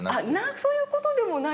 そういう事でもない。